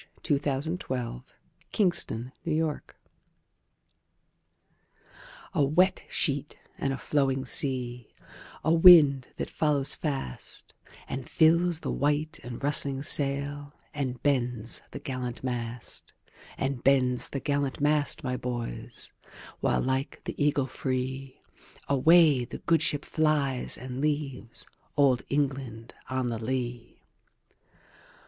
"A wet sheet and a flowing sea" A WET sheet and a flowing sea,A wind that follows fastAnd fills the white and rustling sailAnd bends the gallant mast; And bends the gallant mast, my boys, While like the eagle freeAway the good ship flies, and leavesOld England on the lee.